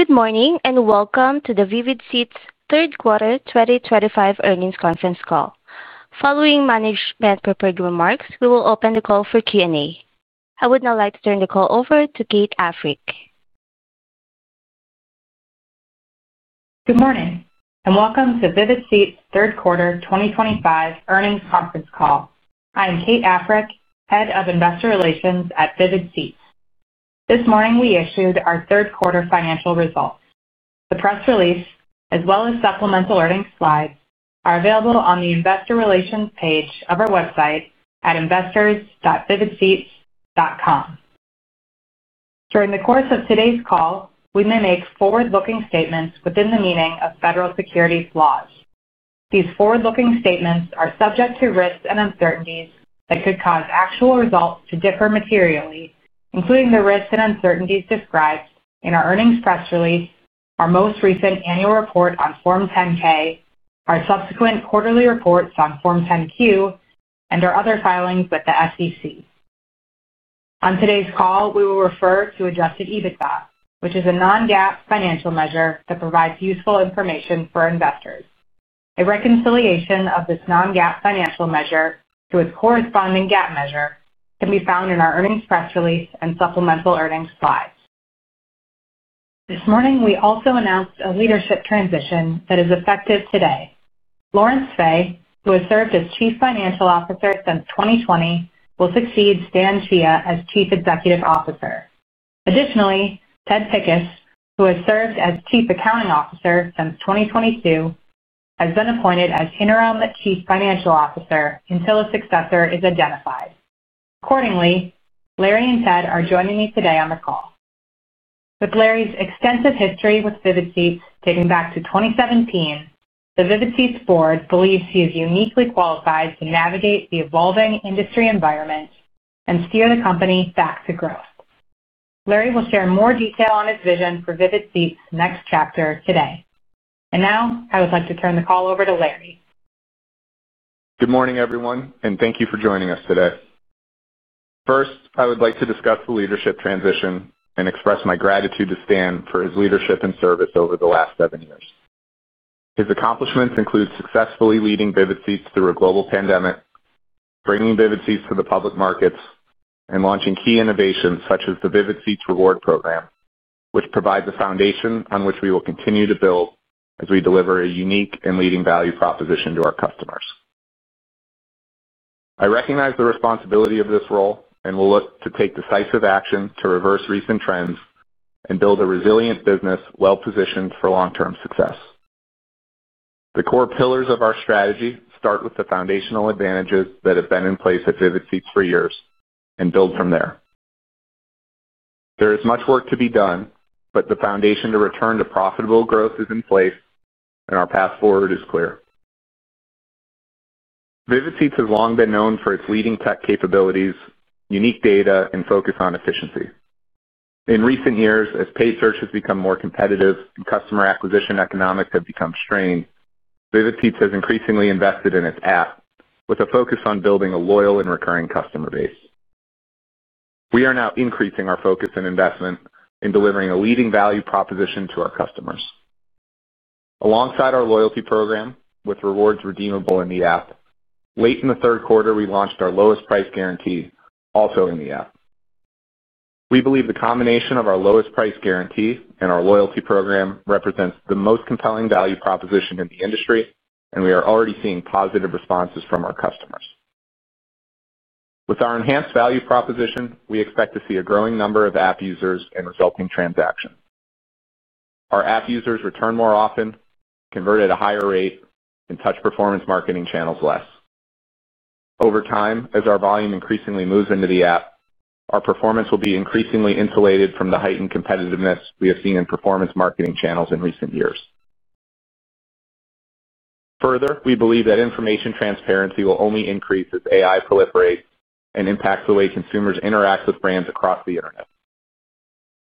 Good morning and welcome to the Vivid Seats Third Quarter 2025 Earnings Conference call. Following management-prepared remarks, we will open the call for Q&A. I would now like to turn the call over to Kate Africk. Good morning and welcome to Vivid Seats Third Quarter 2025 Earnings Conference call. I am Kate Africk, Head of Investor Relations at Vivid Seats. This morning we issued our third quarter financial results. The press release, as well as supplemental earnings slides, are available on the Investor Relations page of our website at investors.vividseats.com. During the course of today's call, we may make forward-looking statements within the meaning of federal securities laws. These forward-looking statements are subject to risks and uncertainties that could cause actual results to differ materially, including the risks and uncertainties described in our earnings press release, our most recent annual report on Form 10-K, our subsequent quarterly reports on Form 10-Q, and our other filings with the SEC. On today's call, we will refer to adjusted EBITDA, which is a non-GAAP financial measure that provides useful information for investors. A reconciliation of this non-GAAP financial measure to its corresponding GAAP measure can be found in our earnings press release and supplemental earnings slides. This morning we also announced a leadership transition that is effective today. Lawrence Fey, who has served as Chief Financial Officer since 2020, will succeed Stan Chia as Chief Executive Officer. Additionally, Ted Pickus, who has served as Chief Accounting Officer since 2022, has been appointed as interim Chief Financial Officer until a successor is identified. Accordingly, Larry and Ted are joining me today on the call. With Larry's extensive history with Vivid Seats dating back to 2017, the Vivid Seats board believes he is uniquely qualified to navigate the evolving industry environment and steer the company back to growth. Larry will share more detail on his vision for Vivid Seats' next chapter today. I would like to turn the call over to Larry. Good morning, everyone, and thank you for joining us today. First, I would like to discuss the leadership transition and express my gratitude to Stan for his leadership and service over the last seven years. His accomplishments include successfully leading Vivid Seats through a global pandemic, bringing Vivid Seats to the public markets, and launching key innovations such as the Vivid Seats Reward Program, which provides a foundation on which we will continue to build as we deliver a unique and leading value proposition to our customers. I recognize the responsibility of this role and will look to take decisive action to reverse recent trends and build a resilient business well-positioned for long-term success. The core pillars of our strategy start with the foundational advantages that have been in place at Vivid Seats for years and build from there. There is much work to be done, but the foundation to return to profitable growth is in place, and our path forward is clear. Vivid Seats has long been known for its leading tech capabilities, unique data, and focus on efficiency. In recent years, as paid search has become more competitive and customer acquisition economics have become strained, Vivid Seats has increasingly invested in its app with a focus on building a loyal and recurring customer base. We are now increasing our focus and investment in delivering a leading value proposition to our customers. Alongside our loyalty program with rewards redeemable in the app, late in the third quarter we launched our Lowest Price Guarantee, also in the app. We believe the combination of our Lowest Price Guarantee and our loyalty program represents the most compelling value proposition in the industry, and we are already seeing positive responses from our customers. With our enhanced value proposition, we expect to see a growing number of app users and resulting transactions. Our app users return more often, convert at a higher rate, and touch performance marketing channels less. Over time, as our volume increasingly moves into the app, our performance will be increasingly insulated from the heightened competitiveness we have seen in performance marketing channels in recent years. Further, we believe that information transparency will only increase as AI proliferates and impacts the way consumers interact with brands across the internet.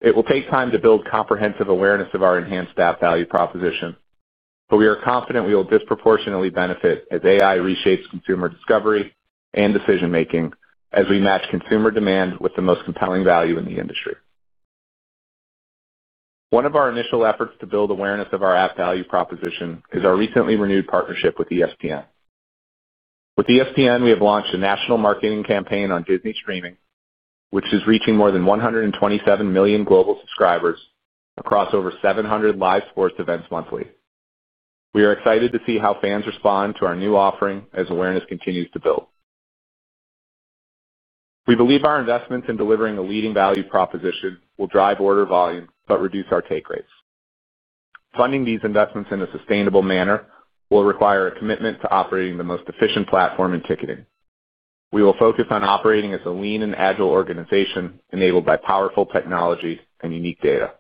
It will take time to build comprehensive awareness of our enhanced app value proposition, but we are confident we will disproportionately benefit as AI reshapes consumer discovery and decision-making as we match consumer demand with the most compelling value in the industry. One of our initial efforts to build awareness of our app value proposition is our recently renewed partnership with ESPN. With ESPN, we have launched a national marketing campaign on Disney streaming, which is reaching more than 127 million global subscribers across over 700 live sports events monthly. We are excited to see how fans respond to our new offering as awareness continues to build. We believe our investments in delivering a leading value proposition will drive order volume but reduce our take rates. Funding these investments in a sustainable manner will require a commitment to operating the most efficient platform in ticketing. We will focus on operating as a lean and agile organization enabled by powerful technology and unique data.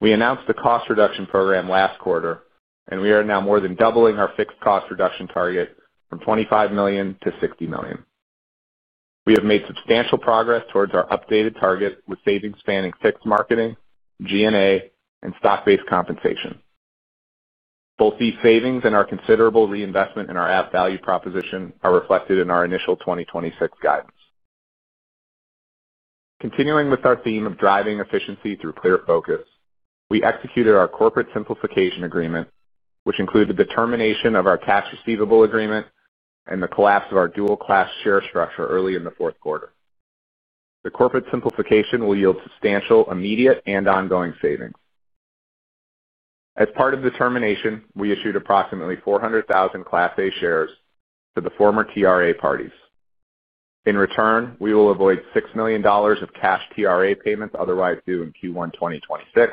We announced the cost reduction program last quarter, and we are now more than doubling our fixed cost reduction target from $25 million-$60 million. We have made substantial progress towards our updated target with savings spanning fixed marketing, G&A, and stock-based compensation. Both these savings and our considerable reinvestment in our app value proposition are reflected in our initial 2026 guidance. Continuing with our theme of driving efficiency through clear focus, we executed our corporate simplification agreement, which included the termination of our Tax Receivable Agreement and the collapse of our dual-class share structure early in the fourth quarter. The corporate simplification will yield substantial immediate and ongoing savings. As part of the termination, we issued approximately 400,000 Class A shares to the former TRA parties. In return, we will avoid $6 million of cash TRA payments otherwise due in Q1 2026,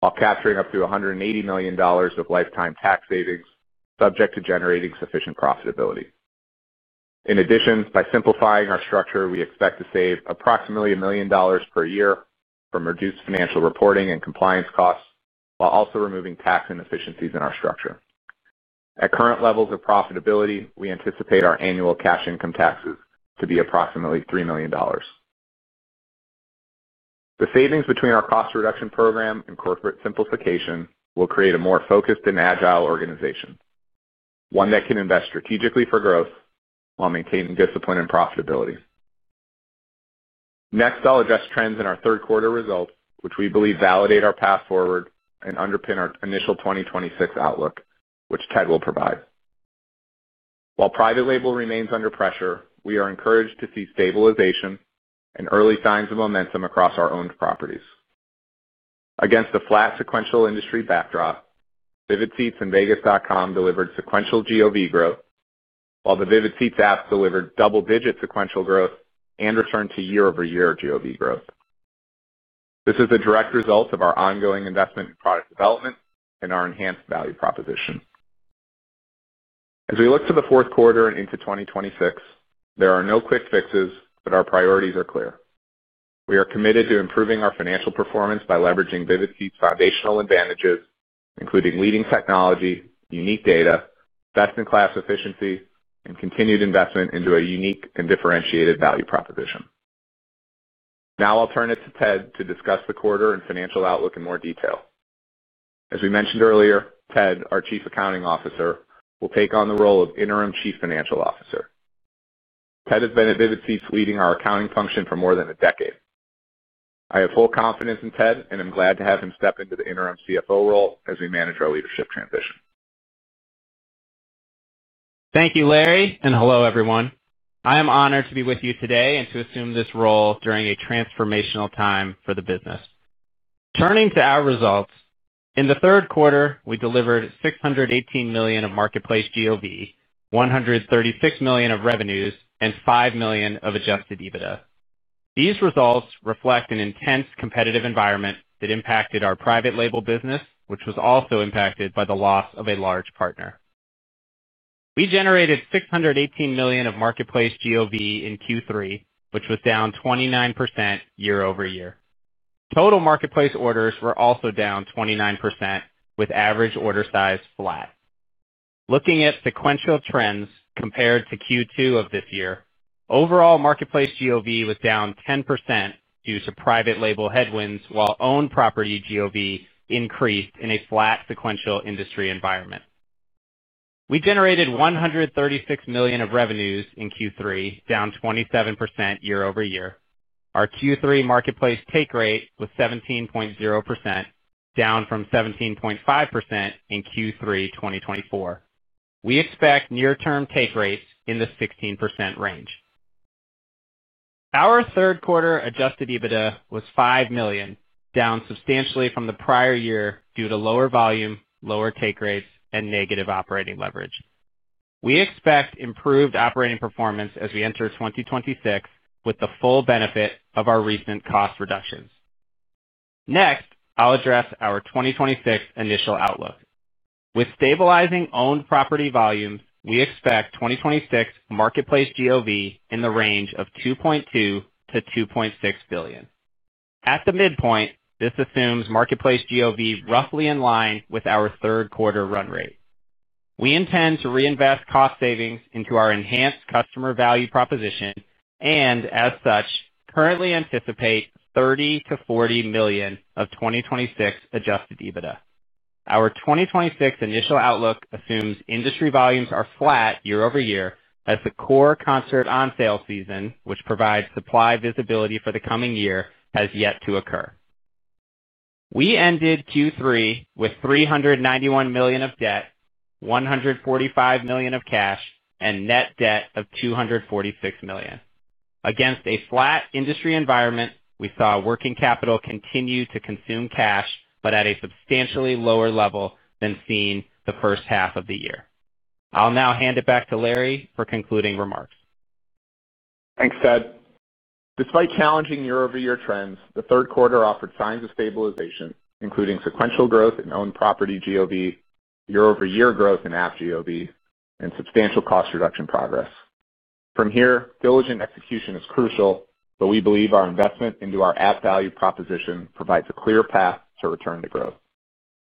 while capturing up to $180 million of lifetime tax savings subject to generating sufficient profitability. In addition, by simplifying our structure, we expect to save approximately $1 million per year from reduced financial reporting and compliance costs, while also removing tax inefficiencies in our structure. At current levels of profitability, we anticipate our annual cash income taxes to be approximately $3 million. The savings between our cost reduction program and corporate simplification will create a more focused and agile organization, one that can invest strategically for growth while maintaining discipline and profitability. Next, I'll address trends in our third quarter results, which we believe validate our path forward and underpin our initial 2026 outlook, which Ted will provide. While private label remains under pressure, we are encouraged to see stabilization and early signs of momentum across our owned properties. Against a flat sequential industry backdrop, Vivid Seats and vegas.com delivered sequential GOV growth, while the Vivid Seats App delivered double-digit sequential growth and returned to year-over-year GOV growth. This is a direct result of our ongoing investment in product development and our enhanced value proposition. As we look to the fourth quarter and into 2026, there are no quick fixes, but our priorities are clear. We are committed to improving our financial performance by leveraging Vivid Seats' foundational advantages, including leading technology, unique data, best-in-class efficiency, and continued investment into a unique and differentiated value proposition. Now I'll turn it to Ted to discuss the quarter and financial outlook in more detail. As we mentioned earlier, Ted, our Chief Accounting Officer, will take on the role of interim Chief Financial Officer. Ted has been at Vivid Seats leading our accounting function for more than a decade. I have full confidence in Ted and am glad to have him step into the interim CFO role as we manage our leadership transition. Thank you, Larry, and hello, everyone. I am honored to be with you today and to assume this role during a transformational time for the business. Turning to our results, in the third quarter, we delivered $618 million of marketplace GOV, $136 million of revenues, and $5 million of adjusted EBITDA. These results reflect an intense competitive environment that impacted our private label business, which was also impacted by the loss of a large partner. We generated $618 million of marketplace GOV in Q3, which was down 29% year-over-year. Total marketplace orders were also down 29%, with average order size flat. Looking at sequential trends compared to Q2 of this year, overall marketplace GOV was down 10% due to private label headwinds, while owned property GOV increased in a flat sequential industry environment. We generated $136 million of revenues in Q3, down 27% year-over-year. Our Q3 marketplace take rate was 17.0%, down from 17.5% in Q3 2024. We expect near-term take rates in the 16% range. Our third quarter adjusted EBITDA was $5 million, down substantially from the prior year due to lower volume, lower take rates, and negative operating leverage. We expect improved operating performance as we enter 2026 with the full benefit of our recent cost reductions. Next, I'll address our 2026 initial outlook. With stabilizing owned property volumes, we expect 2026 marketplace GOV in the range of $2.2 billion-$2.6 billion. At the midpoint, this assumes marketplace GOV roughly in line with our third quarter run rate. We intend to reinvest cost savings into our enhanced customer value proposition and, as such, currently anticipate $30 million-$40 million of 2026 adjusted EBITDA. Our 2026 initial outlook assumes industry volumes are flat year-over-year as the core concert on sale season, which provides supply visibility for the coming year, has yet to occur. We ended Q3 with $391 million of debt, $145 million of cash, and net debt of $246 million. Against a flat industry environment, we saw working capital continue to consume cash but at a substantially lower level than seen the first half of the year. I'll now hand it back to Larry for concluding remarks. Thanks, Ted. Despite challenging year-over-year trends, the third quarter offered signs of stabilization, including sequential growth in owned property GOV, year-over-year growth in app GOV, and substantial cost reduction progress. From here, diligent execution is crucial, but we believe our investment into our app value proposition provides a clear path to return to growth.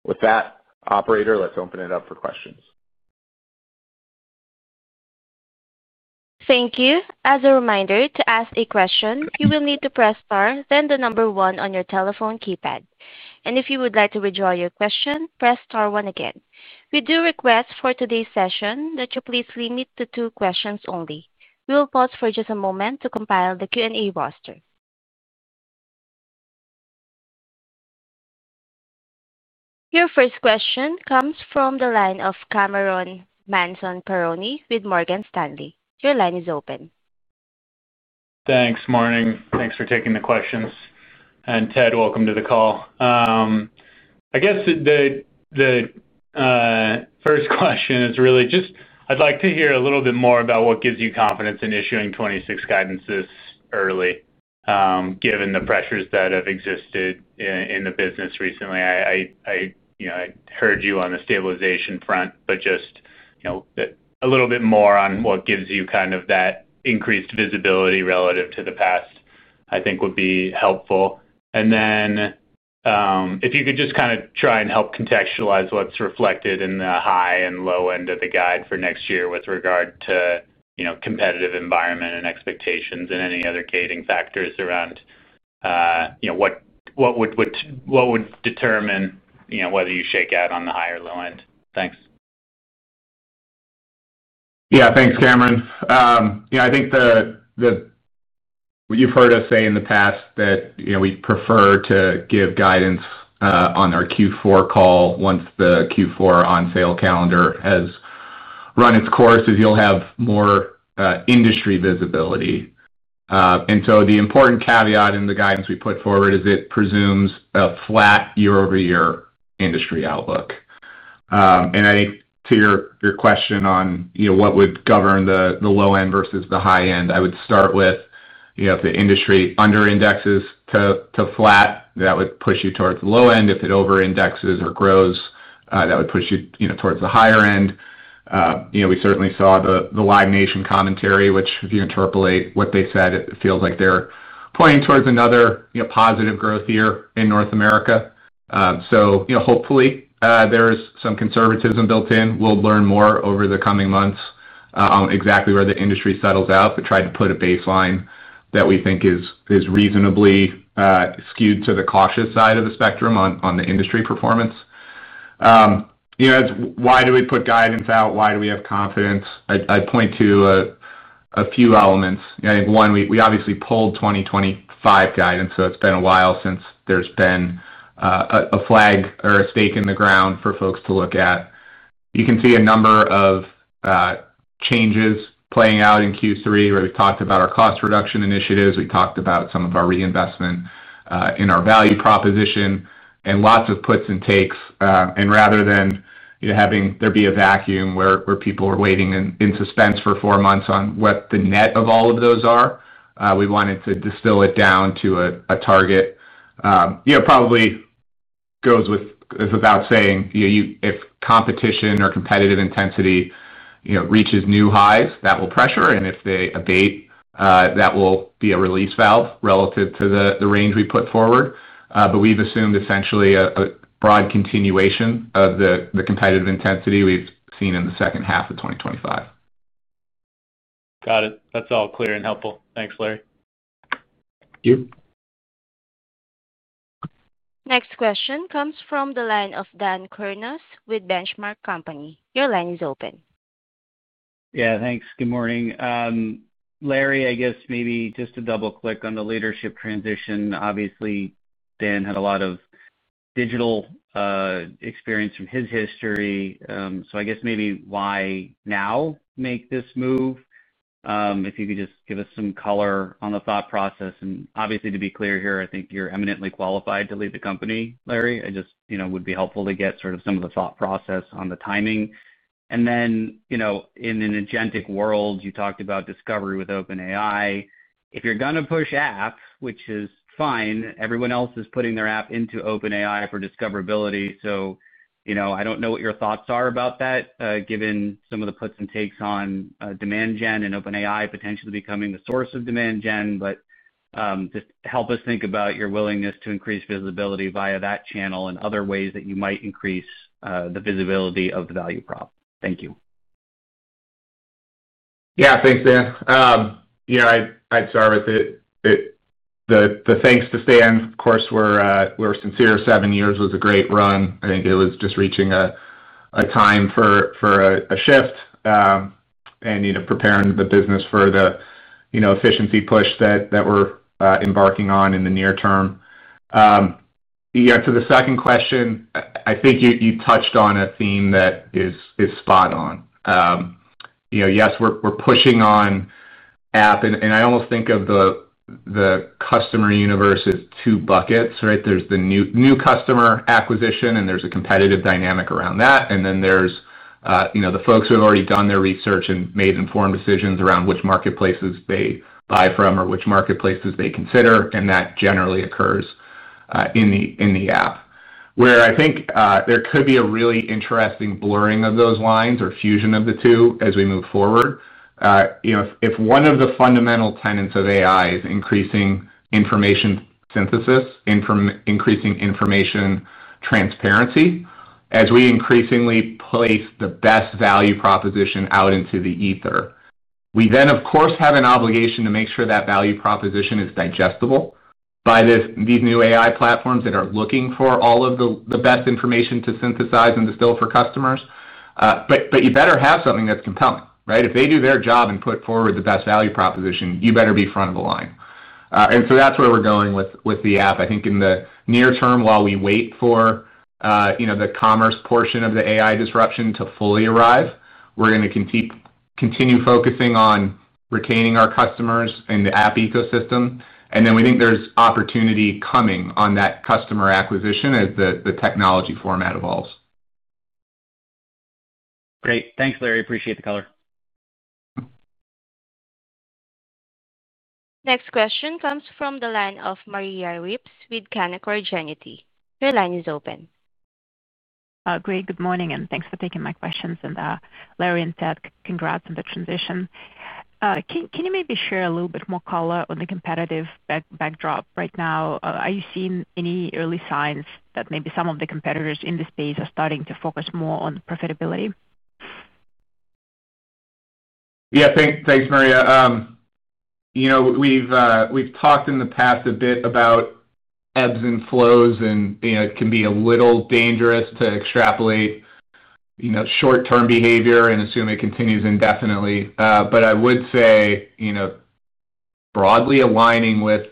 With that, operator, let's open it up for questions. Thank you. As a reminder, to ask a question, you will need to press Star, then the number one on your telephone keypad. If you would like to withdraw your question, press Star one again. We do request for today's session that you please limit to two questions only. We will pause for just a moment to compile the Q&A roster. Your first question comes from the line of Cameron Mansson-Perrone with Morgan Stanley. Your line is open. Thanks, morning. Thanks for taking the questions. And Ted, welcome to the call. I guess the first question is really just I'd like to hear a little bit more about what gives you confidence in issuing 2026 guidances early, given the pressures that have existed in the business recently. I heard you on the stabilization front, but just a little bit more on what gives you kind of that increased visibility relative to the past, I think, would be helpful. And then if you could just kind of try and help contextualize what's reflected in the high and low end of the guide for next year with regard to competitive environment and expectations and any other catering factors around what would determine whether you shake out on the high or low end. Thanks. Yeah, thanks, Cameron. I think what you've heard us say in the past is that we prefer to give guidance on our Q4 call once the Q4 on sale calendar has run its course as you'll have more industry visibility. The important caveat in the guidance we put forward is it presumes a flat year-over-year industry outlook. I think to your question on what would govern the low end versus the high end, I would start with if the industry under-indexes to flat, that would push you towards the low end. If it over-indexes or grows, that would push you towards the higher end. We certainly saw the Live Nation commentary, which, if you interpolate what they said, it feels like they're pointing towards another positive growth year in North America. Hopefully, there's some conservatism built in. We'll learn more over the coming months on exactly where the industry settles out, but try to put a baseline that we think is reasonable. Skewed to the cautious side of the spectrum on the industry performance. Why do we put guidance out? Why do we have confidence? I'd point to a few elements. I think, one, we obviously pulled 2025 guidance, so it's been a while since there's been a flag or a stake in the ground for folks to look at. You can see a number of changes playing out in Q3 where we've talked about our cost reduction initiatives. We talked about some of our reinvestment in our value proposition and lots of puts and takes. Rather than having there be a vacuum where people are waiting in suspense for four months on what the net of all of those are, we wanted to distill it down to a target. Probably goes without saying, if competition or competitive intensity reaches new highs, that will pressure. And if they abate, that will be a release valve relative to the range we put forward. We have assumed essentially a broad continuation of the competitive intensity we have seen in the second half of 2025. Got it. That's all clear and helpful. Thanks, Larry. Thank you. Next question comes from the line of Dan Kurnos with Benchmark Company. Your line is open. Yeah, thanks. Good morning. Larry, I guess maybe just to double-click on the leadership transition, obviously, Dan had a lot of digital experience from his history. I guess maybe why now make this move? If you could just give us some color on the thought process. Obviously, to be clear here, I think you're eminently qualified to lead the company, Larry. It just would be helpful to get sort of some of the thought process on the timing. In an agentic world, you talked about discovery with OpenAI. If you're going to push app, which is fine, everyone else is putting their app into OpenAI for discoverability. I don't know what your thoughts are about that, given some of the puts and takes on demand gen and OpenAI potentially becoming the source of demand gen. Just help us think about your willingness to increase visibility via that channel and other ways that you might increase the visibility of the value prop. Thank you. Yeah, thanks, Dan. I'd start with the thanks to Stan. Of course, we're sincere. Seven years was a great run. I think it was just reaching a time for a shift and preparing the business for the efficiency push that we're embarking on in the near term. To the second question, I think you touched on a theme that is spot on. Yes, we're pushing on app. I almost think of the customer universe as two buckets, right? There's the new customer acquisition, and there's a competitive dynamic around that. Then there's the folks who have already done their research and made informed decisions around which marketplaces they buy from or which marketplaces they consider. That generally occurs in the app, where I think there could be a really interesting blurring of those lines or fusion of the two as we move forward. If one of the fundamental tenets of AI is increasing information synthesis, increasing information transparency, as we increasingly place the best value proposition out into the ether, we then, of course, have an obligation to make sure that value proposition is digestible by these new AI platforms that are looking for all of the best information to synthesize and distill for customers. You better have something that's compelling, right? If they do their job and put forward the best value proposition, you better be front of the line. That's where we're going with the app. I think in the near term, while we wait for the commerce portion of the AI disruption to fully arrive, we're going to continue focusing on retaining our customers in the app ecosystem. We think there's opportunity coming on that customer acquisition as the technology format evolves. Great. Thanks, Larry. Appreciate the color. Next question comes from the line of Maria Ripps with Canaccord Genuity. Your line is open. Great. Good morning, and thanks for taking my questions. Larry and Ted, congrats on the transition. Can you maybe share a little bit more color on the competitive backdrop right now? Are you seeing any early signs that maybe some of the competitors in this space are starting to focus more on profitability? Yeah, thanks, Maria. We've talked in the past a bit about ebbs and flows, and it can be a little dangerous to extrapolate short-term behavior and assume it continues indefinitely. I would say, broadly aligning with,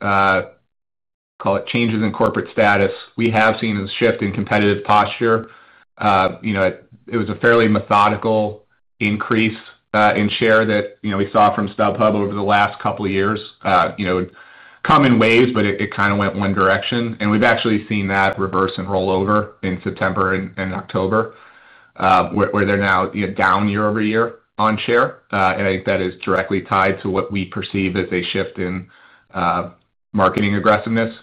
call it changes in corporate status, we have seen a shift in competitive posture. It was a fairly methodical increase in share that we saw from StubHub over the last couple of years, common ways, but it kind of went one direction. We've actually seen that reverse and rollover in September and October, where they're now down year-over-year on share. I think that is directly tied to what we perceive as a shift in marketing aggressiveness.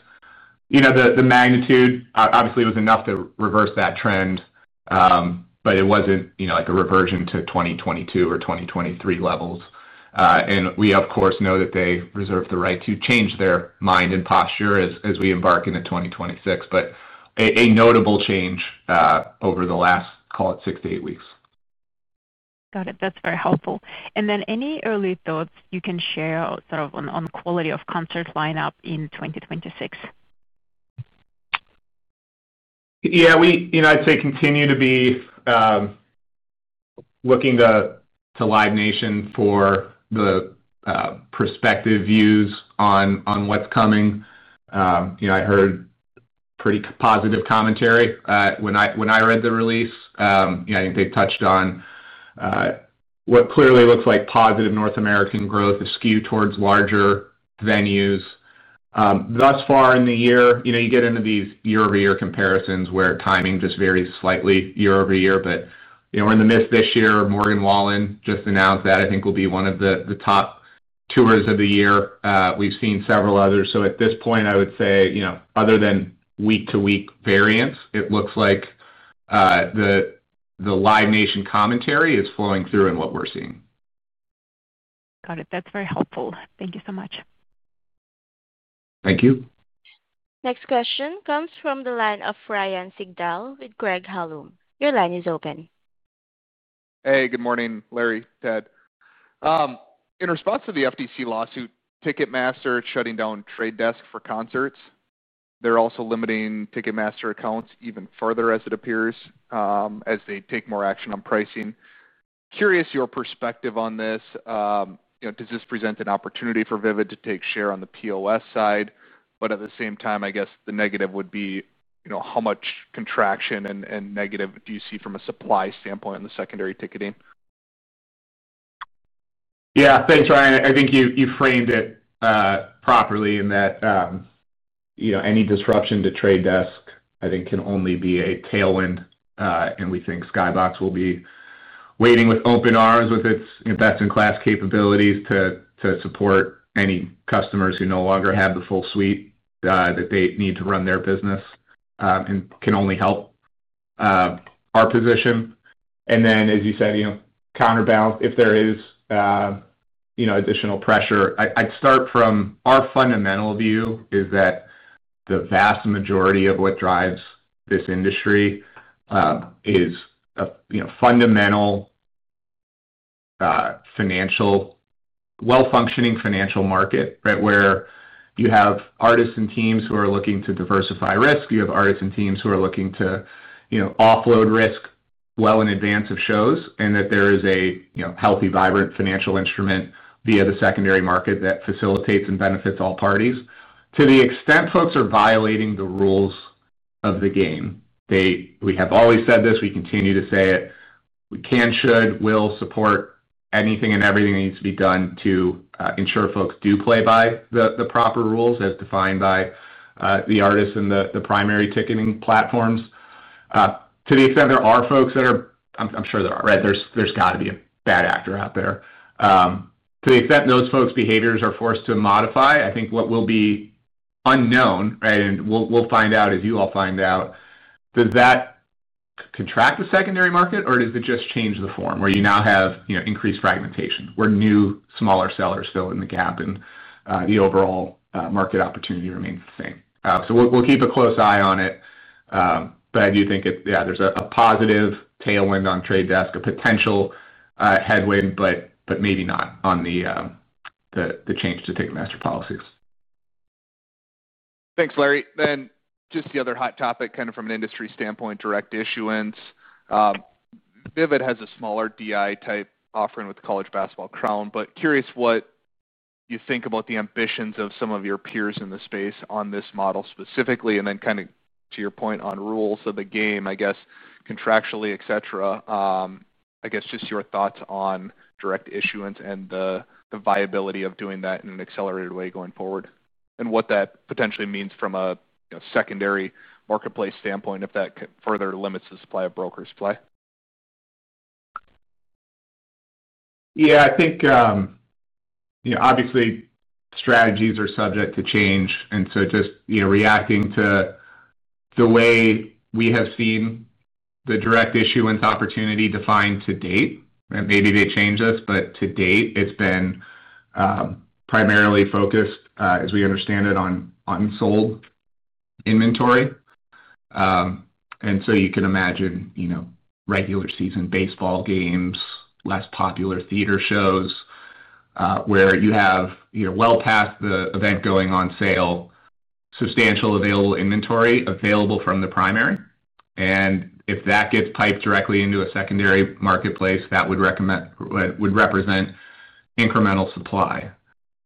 The magnitude, obviously, was enough to reverse that trend. It wasn't a reversion to 2022 or 2023 levels. We, of course, know that they reserve the right to change their mind and posture as we embark into 2026, but a notable change over the last, call it, six to eight weeks. Got it. That's very helpful. Any early thoughts you can share sort of on the quality of concert lineup in 2026? Yeah, I'd say continue to be. Looking to Live Nation for the prospective views on what's coming. I heard pretty positive commentary when I read the release. I think they touched on what clearly looks like positive North American growth, a skew towards larger venues. Thus far in the year, you get into these year-over-year comparisons where timing just varies slightly year-over-year. We are in the midst of this year. Morgan Wallen just announced that. I think will be one of the top tours of the year. We've seen several others. At this point, I would say, other than week-to-week variants, it looks like the Live Nation commentary is flowing through in what we're seeing. Got it. That's very helpful. Thank you so much. Thank you. Next question comes from the line of Ryan Sigdahl with Craig-Hallum. Your line is open. Hey, good morning, Larry, Ted. In response to the FTC lawsuit, Ticketmaster is shutting down Trade Desk for concerts. They're also limiting Ticketmaster accounts even further, as it appears, as they take more action on pricing. Curious your perspective on this. Does this present an opportunity for Vivid to take share on the POS side? At the same time, I guess the negative would be how much contraction and negative do you see from a supply standpoint on the secondary ticketing? Yeah, thanks, Ryan. I think you framed it properly in that any disruption to Trade Desk, I think, can only be a tailwind. We think Skybox will be waiting with open arms with its best-in-class capabilities to support any customers who no longer have the full suite that they need to run their business. It can only help our position. As you said, counterbalance if there is additional pressure. I'd start from our fundamental view that the vast majority of what drives this industry is a fundamental, well-functioning financial market, right, where you have artists and teams who are looking to diversify risk. You have artists and teams who are looking to offload risk well in advance of shows and that there is a healthy, vibrant financial instrument via the secondary market that facilitates and benefits all parties. To the extent folks are violating the rules of the game, we have always said this. We continue to say it. We can, should, will support anything and everything that needs to be done to ensure folks do play by the proper rules as defined by the artists and the primary ticketing platforms. To the extent there are folks that are—I'm sure there are, right? There's got to be a bad actor out there. To the extent those folks' behaviors are forced to modify, I think what will be unknown, right, and we'll find out as you all find out. Does that contract the secondary market, or does it just change the form where you now have increased fragmentation where new smaller sellers fill in the gap and the overall market opportunity remains the same? We will keep a close eye on it. I do think, yeah, there's a positive tailwind on Trade Desk, a potential headwind, but maybe not on the change to Ticketmaster policies. Thanks, Larry. The other hot topic, kind of from an industry standpoint, direct issuance. Vivid has a smaller DI type offering with the college basketball crown. Curious what you think about the ambitions of some of your peers in the space on this model specifically. Kind of to your point on rules of the game, I guess, contractually, etc., just your thoughts on direct issuance and the viability of doing that in an accelerated way going forward and what that potentially means from a secondary marketplace standpoint if that further limits the supply of brokers' play. Yeah, I think. Obviously, strategies are subject to change. Just reacting to the way we have seen the direct issuance opportunity defined to date, right? Maybe they change us, but to date, it's been primarily focused, as we understand it, on unsold inventory. You can imagine regular season baseball games, less popular theater shows, where you have well past the event going on sale, substantial available inventory available from the primary. If that gets piped directly into a secondary marketplace, that would represent incremental supply.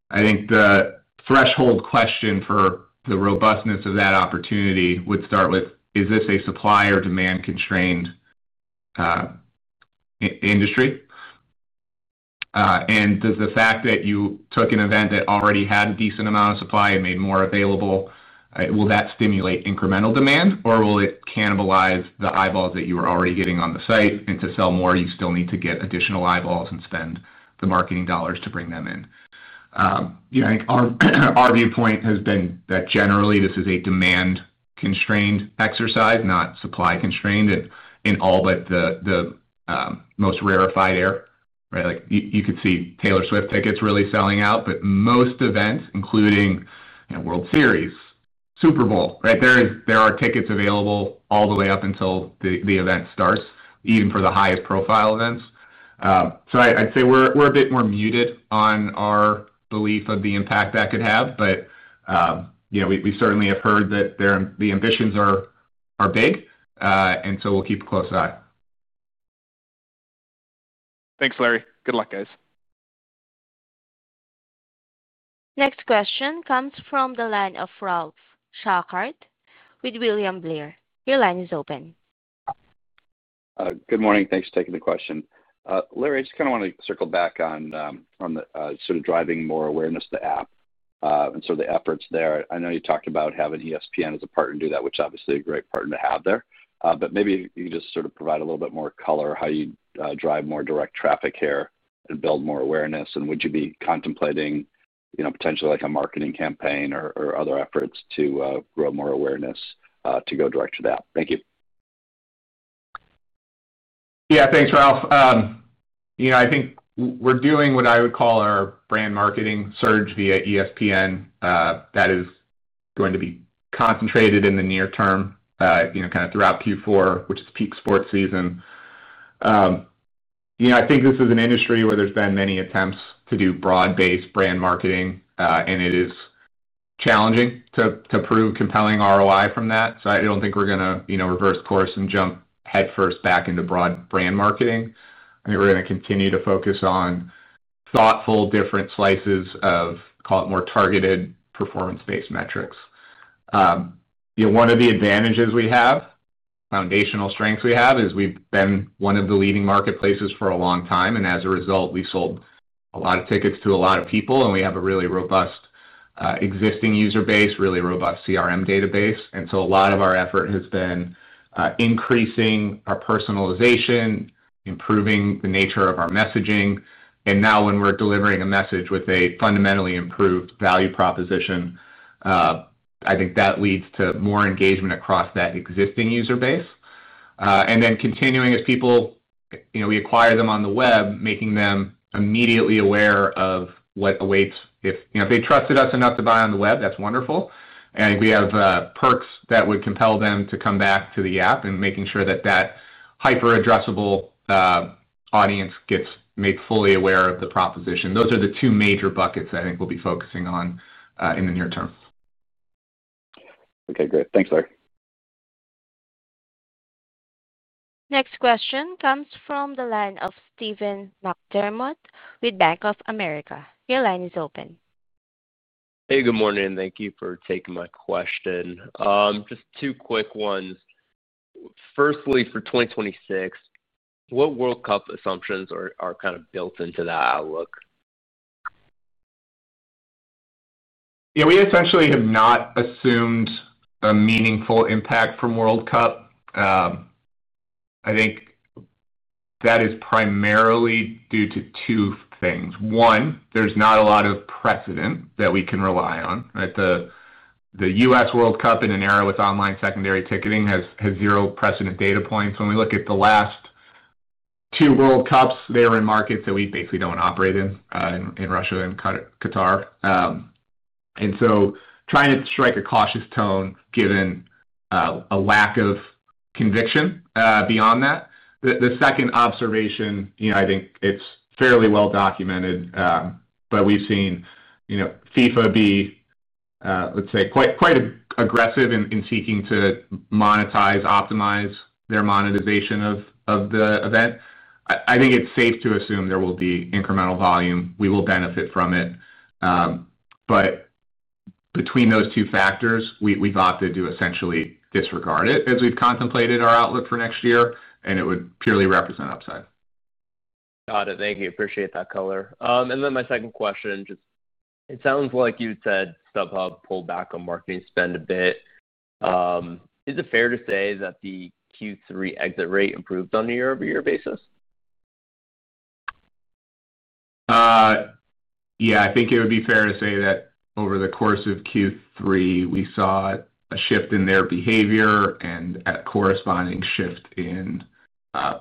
I think the threshold question for the robustness of that opportunity would start with, is this a supply or demand-constrained industry? Does the fact that you took an event that already had a decent amount of supply and made more available. Will that stimulate incremental demand, or will it cannibalize the eyeballs that you were already getting on the site? To sell more, you still need to get additional eyeballs and spend the marketing dollars to bring them in. I think our viewpoint has been that generally, this is a demand-constrained exercise, not supply-constrained in all but the most rarefied era, right? You could see Taylor Swift tickets really selling out, but most events, including World Series, Super Bowl, right? There are tickets available all the way up until the event starts, even for the highest profile events. I'd say we're a bit more muted on our belief of the impact that could have. We certainly have heard that the ambitions are big, and we'll keep a close eye. Thanks, Larry. Good luck, guys. Next question comes from the line of Ralph Schackart with William Blair. Your line is open. Good morning. Thanks for taking the question. Larry, I just kind of want to circle back on sort of driving more awareness of the app and sort of the efforts there. I know you talked about having ESPN as a partner to do that, which is obviously a great partner to have there. Maybe you can just sort of provide a little bit more color how you drive more direct traffic here and build more awareness. Would you be contemplating potentially a marketing campaign or other efforts to grow more awareness to go direct to the app? Thank you. Yeah, thanks, Ralph. I think we're doing what I would call our brand marketing surge via ESPN. That is going to be concentrated in the near term, kind of throughout Q4, which is peak sports season. I think this is an industry where there's been many attempts to do broad-based brand marketing, and it is challenging to prove compelling ROI from that. I don't think we're going to reverse course and jump headfirst back into broad brand marketing. I think we're going to continue to focus on thoughtful, different slices of, call it, more targeted performance-based metrics. One of the advantages we have, foundational strengths we have, is we've been one of the leading marketplaces for a long time. As a result, we sold a lot of tickets to a lot of people, and we have a really robust existing user base, really robust CRM database. A lot of our effort has been increasing our personalization, improving the nature of our messaging. Now when we're delivering a message with a fundamentally improved value proposition, I think that leads to more engagement across that existing user base. Continuing as people, we acquire them on the web, making them immediately aware of what awaits. If they trusted us enough to buy on the web, that's wonderful. I think we have perks that would compel them to come back to the app, and making sure that that hyper-addressable audience gets made fully aware of the proposition. Those are the two major buckets I think we'll be focusing on in the near term. Okay, great. Thanks, Larry. Next question comes from the line of Steven McDermott with Bank of America. Your line is open. Hey, good morning. Thank you for taking my question. Just two quick ones. Firstly, for 2026, what World Cup assumptions are kind of built into that outlook? Yeah, we essentially have not assumed a meaningful impact from World Cup. I think that is primarily due to two things. One, there's not a lot of precedent that we can rely on, right? The U.S. World Cup in an era with online secondary ticketing has zero precedent data points. When we look at the last two World Cups, they were in markets that we basically do not operate in, in Russia and Qatar. Trying to strike a cautious tone given a lack of conviction beyond that. The second observation, I think it's fairly well documented, but we've seen FIFA be, let's say, quite aggressive in seeking to monetize, optimize their monetization of the event. I think it's safe to assume there will be incremental volume. We will benefit from it. Between those two factors, we've opted to essentially disregard it as we've contemplated our outlook for next year, and it would purely represent upside. Got it. Thank you. Appreciate that color. My second question, just it sounds like you said StubHub pulled back on marketing spend a bit. Is it fair to say that the Q3 exit rate improved on a year-over-year basis? Yeah, I think it would be fair to say that over the course of Q3, we saw a shift in their behavior and a corresponding shift in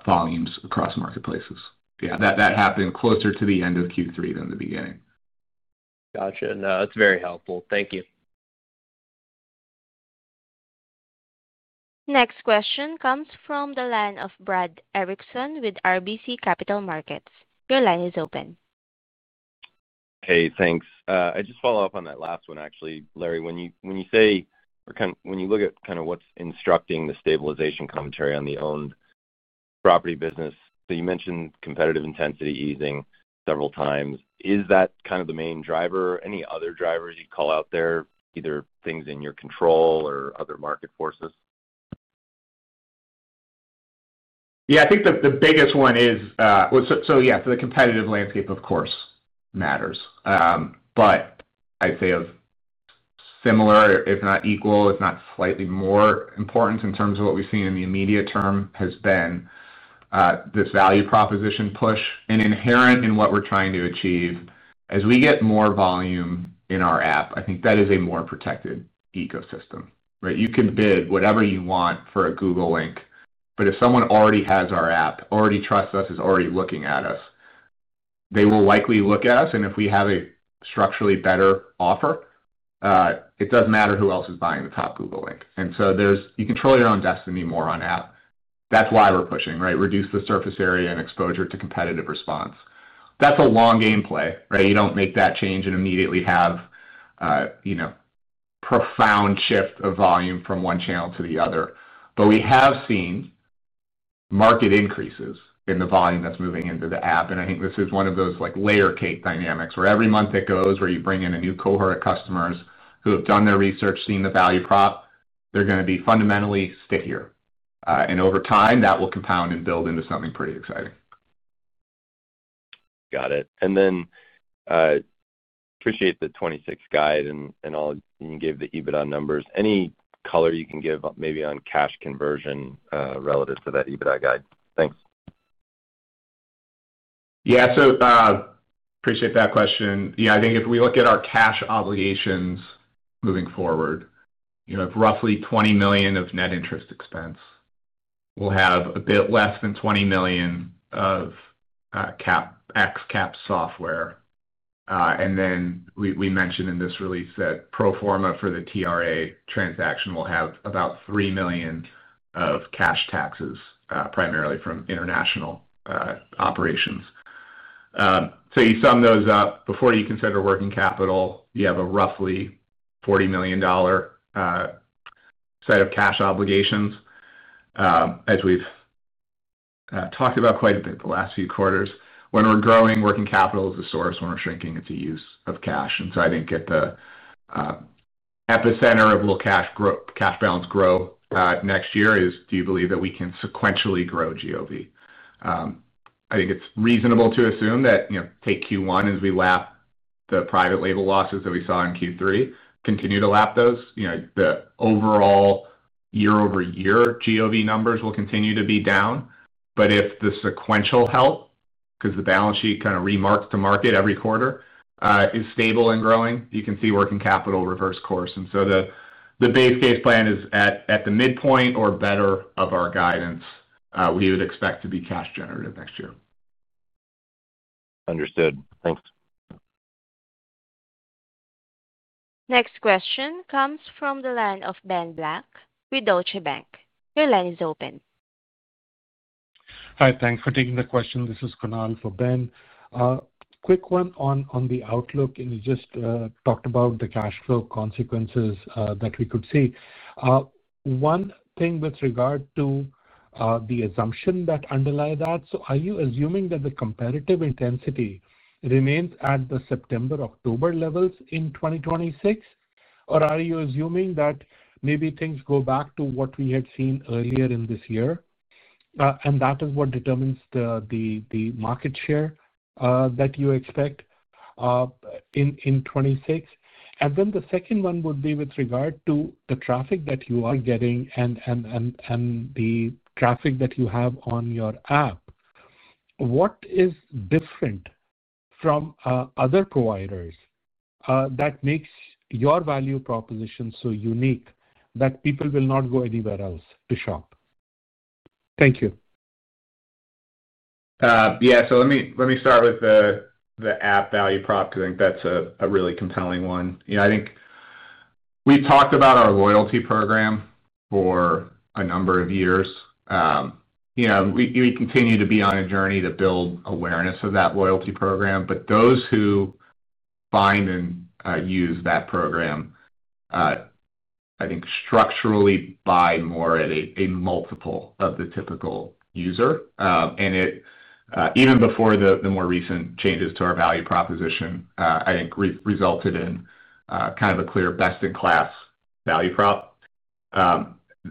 volumes across marketplaces. Yeah, that happened closer to the end of Q3 than the beginning. Gotcha. No, that's very helpful. Thank you. Next question comes from the line of Brad Erickson with RBC Capital Markets. Your line is open. Hey, thanks. I just follow up on that last one, actually, Larry. When you say, when you look at kind of what's instructing the stabilization commentary on the owned property business, you mentioned competitive intensity easing several times. Is that kind of the main driver? Any other drivers you'd call out there, either things in your control or other market forces? Yeah, I think the biggest one is, so yeah, the competitive landscape, of course, matters. I'd say of similar, if not equal, if not slightly more important in terms of what we've seen in the immediate term has been this value proposition push and inherent in what we're trying to achieve. As we get more volume in our app, I think that is a more protected ecosystem, right? You can bid whatever you want for a Google link, but if someone already has our app, already trusts us, is already looking at us, they will likely look at us. If we have a structurally better offer, it doesn't matter who else is buying the top Google link. You control your own destiny more on app. That's why we're pushing, right? Reduce the surface area and exposure to competitive response. That's a long game play, right? You don't make that change and immediately have a profound shift of volume from one channel to the other. We have seen market increases in the volume that's moving into the app. I think this is one of those layer cake dynamics where every month it goes where you bring in a new cohort of customers who have done their research, seen the value prop. They're going to be fundamentally stickier. Over time, that will compound and build into something pretty exciting. Got it. Appreciate the 2026 guide and all you gave the EBITDA numbers. Any color you can give maybe on cash conversion relative to that EBITDA guide? Thanks. Yeah, so. Appreciate that question. Yeah, I think if we look at our cash obligations moving forward, of roughly $20 million of net interest expense, we'll have a bit less than $20 million of CapEx, cap software. And then we mentioned in this release that pro forma for the TRA transaction we'll have about $3 million of cash taxes, primarily from international operations. So you sum those up, before you consider working capital, you have a roughly $40 million set of cash obligations. As we've talked about quite a bit the last few quarters, when we're growing, working capital is a source. When we're shrinking, it's a use of cash. I think at the epicenter of will cash balance grow next year is, do you believe that we can sequentially grow GOV? I think it's reasonable to assume that take Q1 as we lap the private label losses that we saw in Q3, continue to lap those. The overall year-over-year GOV numbers will continue to be down. If the sequential help, because the balance sheet kind of remarks to market every quarter, is stable and growing, you can see working capital reverse course. The base case plan is at the midpoint or better of our guidance. We would expect to be cash generative next year. Understood. Thanks. Next question comes from the line of Ben Black with Deutsche Bank. Your line is open. Hi, thanks for taking the question. This is Kunal for Ben. Quick one on the outlook. You just talked about the cash flow consequences that we could see. One thing with regard to the assumption that underlie that. Are you assuming that the competitive intensity remains at the September, October levels in 2026? Or are you assuming that maybe things go back to what we had seen earlier in this year? That is what determines the market share that you expect in 2026. The second one would be with regard to the traffic that you are getting and the traffic that you have on your app. What is different from other providers that makes your value proposition so unique that people will not go anywhere else to shop? Thank you. Yeah, so let me start with the app value prop because I think that's a really compelling one. I think we talked about our loyalty program for a number of years. We continue to be on a journey to build awareness of that loyalty program. But those who buy and use that program, I think structurally buy more at a multiple of the typical user. And even before the more recent changes to our value proposition, I think resulted in kind of a clear best-in-class value prop.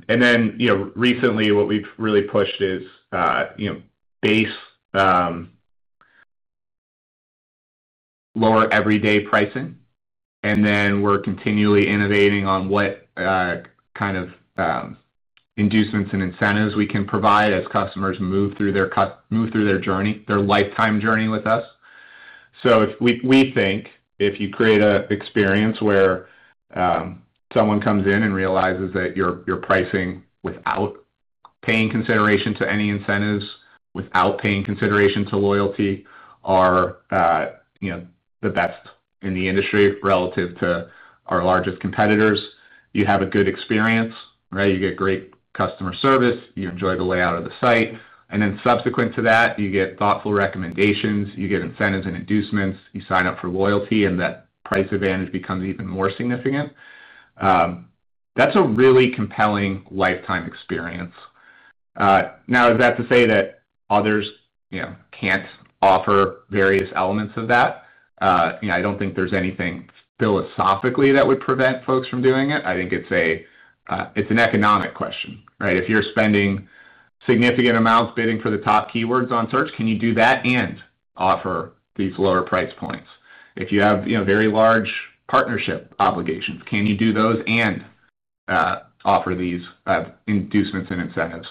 Recently, what we've really pushed is base lower everyday pricing. We're continually innovating on what kind of inducements and incentives we can provide as customers move through their journey, their lifetime journey with us. We think if you create an experience where someone comes in and realizes that your pricing without. Paying consideration to any incentives, without paying consideration to loyalty, are the best in the industry relative to our largest competitors. You have a good experience, right? You get great customer service. You enjoy the layout of the site. Subsequent to that, you get thoughtful recommendations. You get incentives and inducements. You sign up for loyalty, and that price advantage becomes even more significant. That is a really compelling lifetime experience. Now, is that to say that others cannot offer various elements of that? I do not think there is anything philosophically that would prevent folks from doing it. I think it is an economic question, right? If you are spending significant amounts bidding for the top keywords on search, can you do that and offer these lower price points? If you have very large partnership obligations, can you do those and offer these inducements and incentives?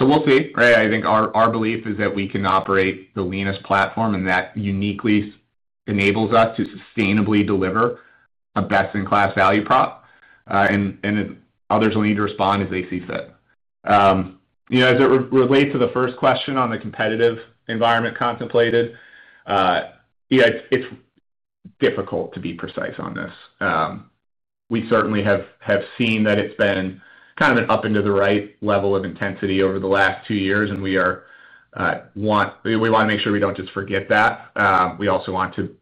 We will see, right? I think our belief is that we can operate the leanest platform, and that uniquely enables us to sustainably deliver a best-in-class value prop. Others will need to respond as they see fit. As it relates to the first question on the competitive environment contemplated, yeah, it's difficult to be precise on this. We certainly have seen that it's been kind of an up and to the right level of intensity over the last two years, and we want to make sure we do not just forget that. We also want to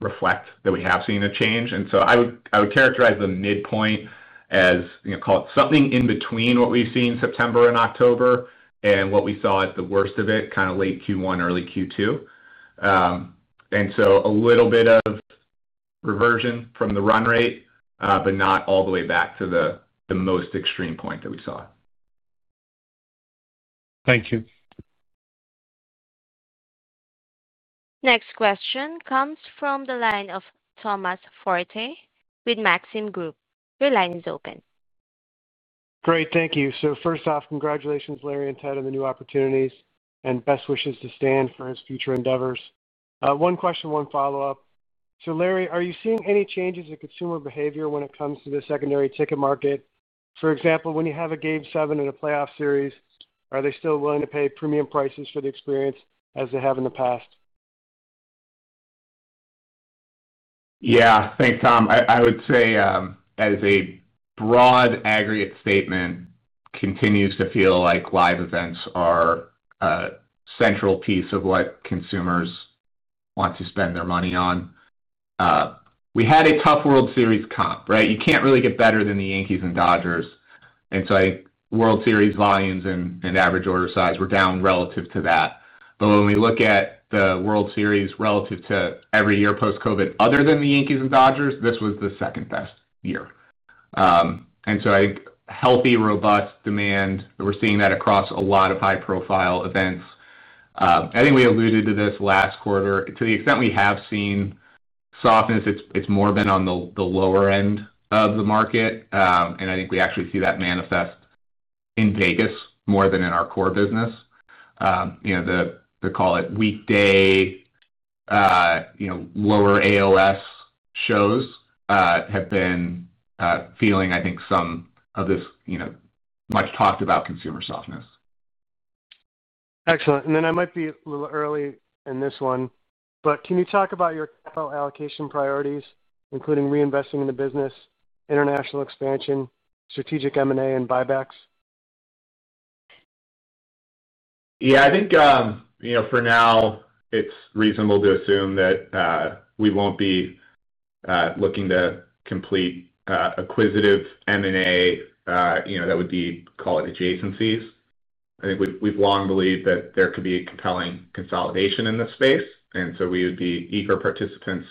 reflect that we have seen a change. I would characterize the midpoint as, call it something in between what we've seen September and October and what we saw at the worst of it, kind of late Q1, early Q2. A little bit of. Reversion from the run rate, but not all the way back to the most extreme point that we saw. Thank you. Next question comes from the line of Thomas Forte with Maxim Group. Your line is open. Great. Thank you. First off, congratulations, Larry and Ted, on the new opportunities and best wishes to Stan for his future endeavors. One question, one follow-up. Larry, are you seeing any changes in consumer behavior when it comes to the secondary ticket market? For example, when you have a game seven in a playoff series, are they still willing to pay premium prices for the experience as they have in the past? Yeah. Thanks, Tom. I would say, as a broad aggregate statement, continues to feel like live events are a central piece of what consumers want to spend their money on. We had a tough World Series comp, right? You can't really get better than the Yankees and Dodgers. I think World Series volumes and average order size were down relative to that. When we look at the World Series relative to every year post-COVID, other than the Yankees and Dodgers, this was the second best year. I think healthy, robust demand, we're seeing that across a lot of high-profile events. I think we alluded to this last quarter. To the extent we have seen softened, it's more been on the lower end of the market. I think we actually see that manifest in Vegas more than in our core business. The, call it, weekday. Lower AOS shows have been. Feeling, I think, some of this much talked about consumer softness. Excellent. I might be a little early in this one, but can you talk about your capital allocation priorities, including reinvesting in the business, international expansion, strategic M&A, and buybacks? Yeah. I think for now, it's reasonable to assume that we won't be looking to complete acquisitive M&A that would be, call it, adjacencies. I think we've long believed that there could be a compelling consolidation in this space. We would be eager participants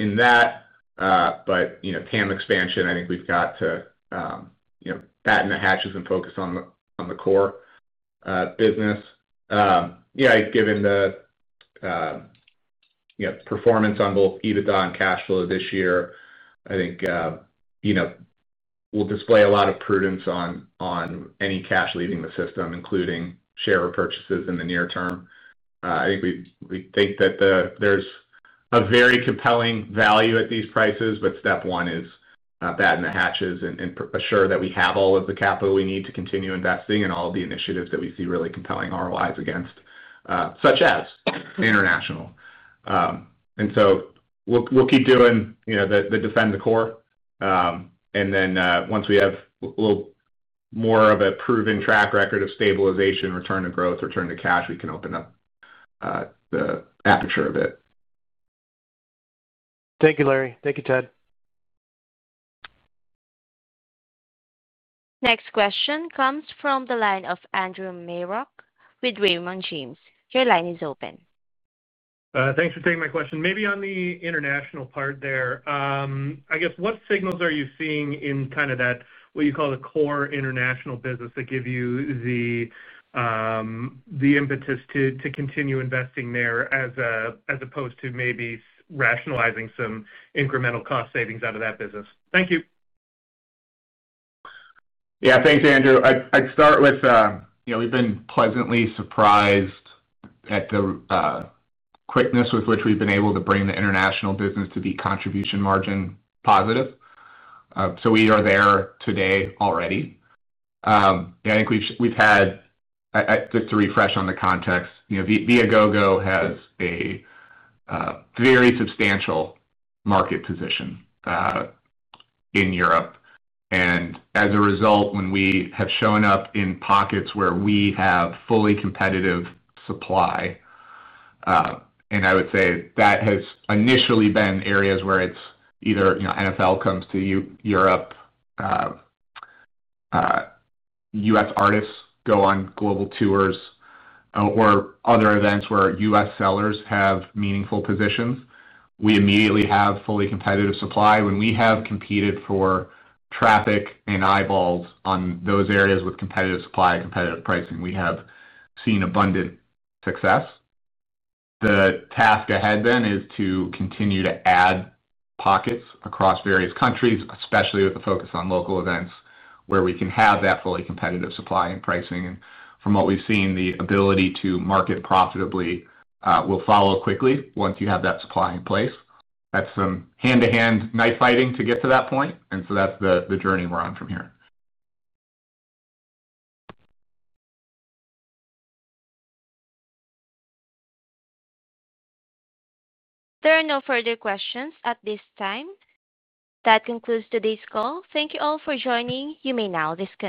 in that. TAM expansion, I think we've got to batten the hatches and focus on the core business. Yeah, given the performance on both EBITDA and cash flow this year, I think we'll display a lot of prudence on any cash leaving the system, including share purchases in the near term. I think we think that there's a very compelling value at these prices, but step one is batten the hatches and assure that we have all of the capital we need to continue investing in all of the initiatives that we see really compelling ROIs against, such as international. We'll keep doing the defend the core. Once we have a little more of a proven track record of stabilization, return to growth, return to cash, we can open up the aperture a bit. Thank you, Larry. Thank you, Ted. Next question comes from the line of Andrew Marok with Raymond James. Your line is open. Thanks for taking my question. Maybe on the international part there, I guess, what signals are you seeing in kind of that, what you call the core international business that give you the impetus to continue investing there as opposed to maybe rationalizing some incremental cost savings out of that business? Thank you. Yeah. Thanks, Andrew. I'd start with, we've been pleasantly surprised at the quickness with which we've been able to bring the international business to be contribution margin positive. We are there today already. I think we've had, just to refresh on the context, Viagogo has a very substantial market position in Europe. As a result, when we have shown up in pockets where we have fully competitive supply, and I would say that has initially been areas where it's either NFL comes to Europe, U.S. artists go on global tours, or other events where U.S. sellers have meaningful positions, we immediately have fully competitive supply. When we have competed for traffic and eyeballs on those areas with competitive supply, competitive pricing, we have seen abundant success. The task ahead then is to continue to add pockets across various countries, especially with a focus on local events where we can have that fully competitive supply and pricing. From what we've seen, the ability to market profitably will follow quickly once you have that supply in place. That's some hand-to-hand knife fighting to get to that point. That's the journey we're on from here. There are no further questions at this time. That concludes today's call. Thank you all for joining. You may now disconnect.